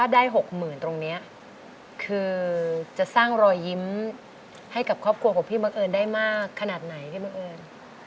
๖๐๐๐ตรงนี้คือจะสร้างรอยยิ้มให้กับครอบครัวของพี่บังเอิญได้มากขนาดไหนพี่บังเอิญ